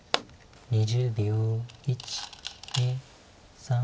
２０秒。